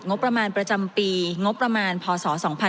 งบประมาณประจำปีงบประมาณพศ๒๕๖๒